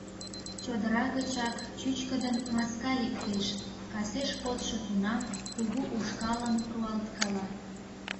Чодыра гычак чӱчкыдын маска лектеш: касеш кодшо тунам, кугу ушкалым руалткала.